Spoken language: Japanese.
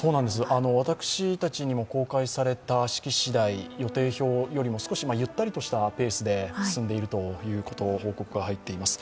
私たちにも公開された式次第、予定表よりも少しゆったりとしたペースで進んでいるという報告が入っています。